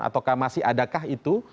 ataukah masih adakah itu